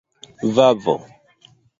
vavo